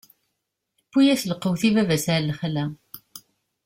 Tewwi-yas lqut i baba-s ɣer lexla.